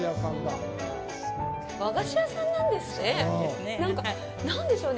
和菓子屋さんなんですね。